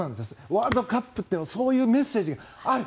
ワールドカップというのはそういうメッセージがある。